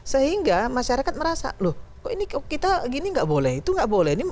sehingga masyarakat merasa loh kok ini kita gini gak boleh itu gak boleh